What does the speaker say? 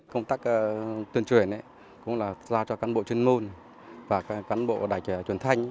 công tác tuyên truyền cũng là do cho cán bộ chuyên môn và cán bộ đại truyền truyền thanh